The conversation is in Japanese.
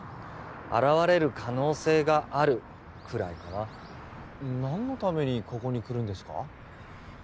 現れる可能性があるくらいかな何のためにここに来るんですか？